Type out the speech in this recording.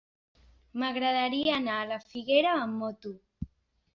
M'agradaria anar a la Figuera amb moto.